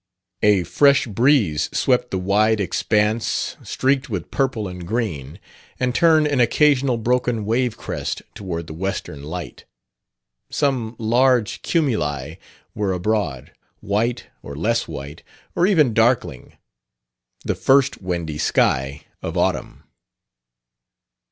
A fresh breeze swept the wide expanse streaked with purple and green and turned an occasional broken wave crest toward the western light. Some large cumuli were abroad white, or less white, or even darkling, the first windy sky of autumn.